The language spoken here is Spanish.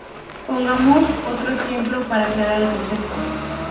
Pongamos otro ejemplo para aclarar el concepto.